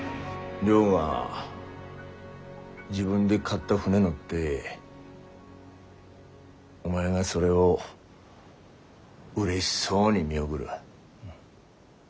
亮が自分で買った船乗ってお前がそれをうれしそうに見送る。